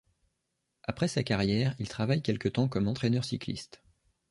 Après sa carrière, il travaille quelque temps comme entraîneur cycliste.